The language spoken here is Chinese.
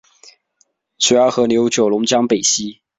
主要河流九龙江北溪。